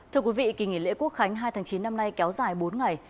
thưa quý vị kỳ nghỉ lễ quốc khánh hai tháng chín năm nay kéo dài bốn ngày